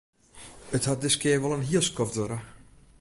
It hat diskear wol in hiel skoft duorre.